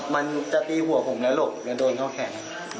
มันจะตีหัวผมแล้วหลบแล้วโดนเข้าแขน